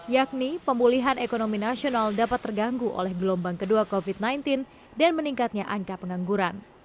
yakni pemulihan ekonomi nasional dapat terganggu oleh gelombang kedua covid sembilan belas dan meningkatnya angka pengangguran